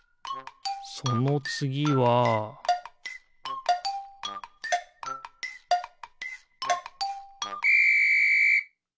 そのつぎはピッ！